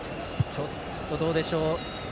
ちょっとどうでしょう。